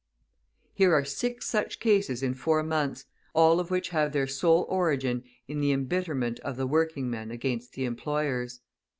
Here are six such cases in four months, all of which have their sole origin in the embitterment of the working men against the employers.